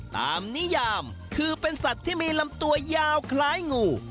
นิยามคือเป็นสัตว์ที่มีลำตัวยาวคล้ายงู